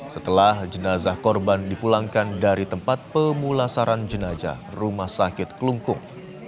setelah jenazah korban dipulangkan dari tempat pemulasaran jenazah rumah sakit kelungkung